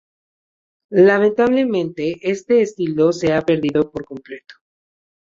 Lamentablemente, este estilo se ha perdido por completo.